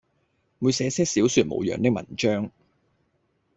每寫些小說模樣的文章，